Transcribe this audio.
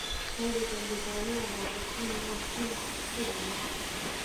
دا د بندیخانو او محبسونو عصري سیستم و.